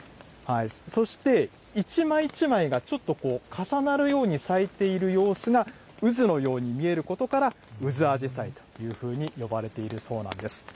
そして、一枚一枚がちょっとこう、重なるように咲いている様子が渦のように見えることから、ウズアジサイというふうに呼ばれているそうなんです。